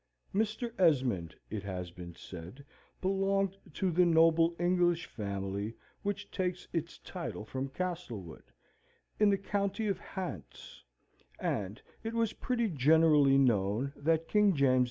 Mr. Esmond, it has been said, belonged to the noble English family which takes its title from Castlewood, in the county of Hants; and it was pretty generally known that King James II.